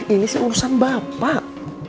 ini sih urusan bapak